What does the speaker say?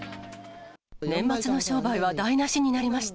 年末の商売は台なしになりました。